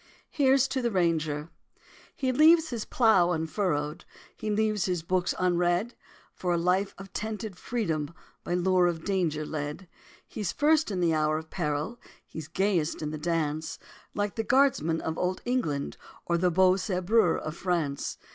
HERE'S TO THE RANGER! He leaves unplowed his furrow, He leaves his books unread For a life of tented freedom By lure of danger led. He's first in the hour of peril, He's gayest in the dance, Like the guardsman of old England Or the beau sabreur of France.